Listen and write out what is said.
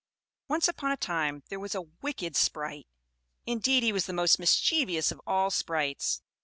Once upon a time there was a wicked sprite, indeed he was the most mischievous of all sprites.